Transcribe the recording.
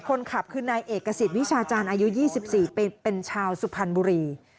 คนขับคือนายเอกสิทธิวิชาจารย์อายุ๒๔ปีเป็นชาวสุพรรณบุรี